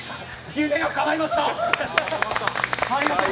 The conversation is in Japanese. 夢がかないました！